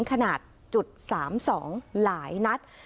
ขนาด๓๒หลายนัด